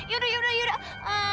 yaudah yaudah yaudah